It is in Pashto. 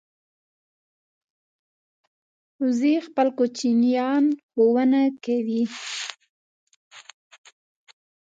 وزې خپل کوچنیان ښوونه کوي